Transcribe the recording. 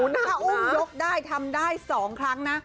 หน้าอุ้มยกได้ทำได้๒ครั้งนะ